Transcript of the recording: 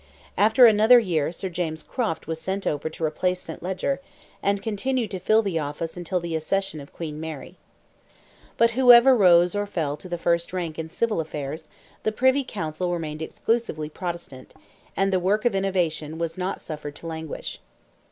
After another year Sir James Croft was sent over to replace St. Leger, and continued to fill the office until the accession of Queen Mary. But whoever rose or fell to the first rank in civil affairs, the Privy Council remained exclusively Protestant, and the work of innovation was not suffered to languish.